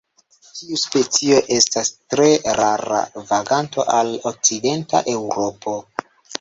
Tiu specio estas tre rara vaganto al okcidenta Eŭropo.